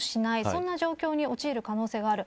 そんな状況に陥る可能性がある。